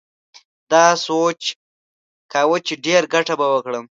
ده سوچ کاوه چې ډېره گټه به وکړم.